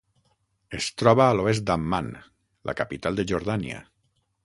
Es troba a l'oest d'Amman, la capital de Jordània.